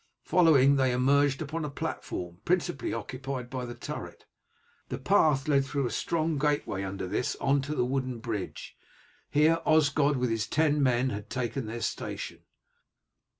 Following it they emerged upon a platform, principally occupied by the turret. The path led through a strong gateway under this on to the wooden bridge. Here Osgod with his ten men had taken their station.